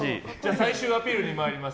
最終アピールに参ります。